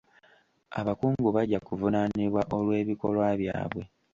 Abakungu bajja kuvunaanibwa olw'ebikolwa byabwe.